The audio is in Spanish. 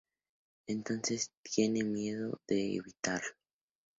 Entonces tiene miedo de invitarlo.